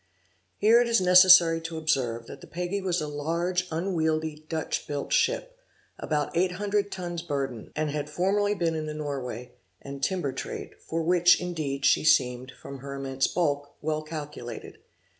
Here it is necessary to observe, that the Peggy was a large unwieldy Dutch built ship, about eight hundred tons burden, and had formerly been in the Norway, and timber trade, for which, indeed, she seemed, from her immense bulk, well calculated.